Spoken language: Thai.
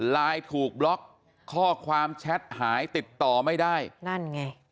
ไลน์ถูกบล็อกข้อความแชทหายติดต่อไม่ได้นั่นไง